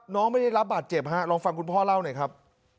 ไม่ได้รับบาดเจ็บฮะลองฟังคุณพ่อเล่าหน่อยครับ